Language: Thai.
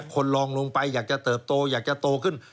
คนลองลงไปอยากจะเติบโตอยากจะโตขึ้น